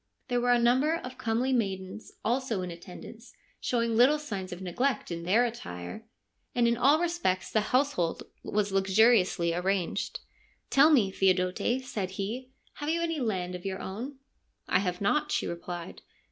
There were a number of comely maidens also in attend ance, showing little signs of neglect in their attire, and in all respects the household was luxuriously arranged. ' Tell me, Theodote,' said he, ' have you any land of your own ?'' I have not,' she replied.